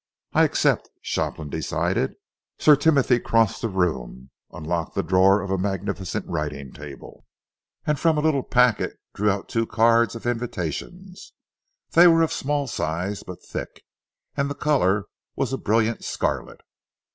"I accept," Shopland decided. Sir Timothy crossed the room, unlocked the drawer of a magnificent writing table, and from a little packet drew out two cards of invitation. They were of small size but thick, and the colour was a brilliant scarlet.